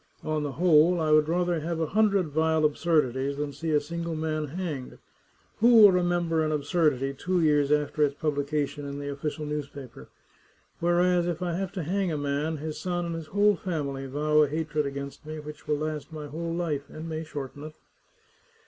On the whole, I would rather have a hundred vile absurdities than see a single man hanged. Who will remember an absurdity two years after its publication in the official newspaper ? Whereas, if I have to hang a man, his son and his whole family vow a hatred against me which will last my whole life, and may shorten it."